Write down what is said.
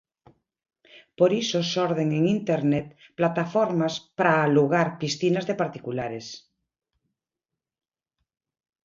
Por iso xorden en Internet plataformas para alugar piscinas de particulares.